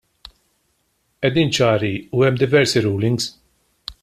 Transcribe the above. Qegħdin ċari u hemm diversi rulings.